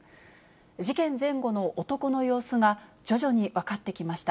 事件前後の男の様子が、徐々に分かってきました。